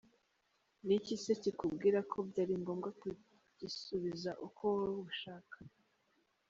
Ni iki se kikubwira ko byari ngombwa kugisubiza uko wowe ubishaka!?